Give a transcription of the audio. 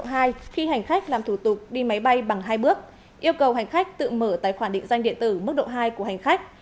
khi hành khách làm thủ tục đi máy bay bằng hai bước yêu cầu hành khách tự mở tài khoản định danh điện tử mức độ hai của hành khách